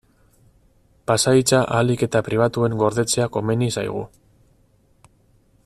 Pasahitza ahalik eta pribatuen gordetzea komeni zaigu.